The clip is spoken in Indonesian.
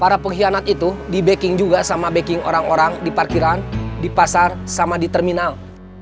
para pengkhianat itu di backing juga sama baking orang orang di parkiran di pasar sama di terminal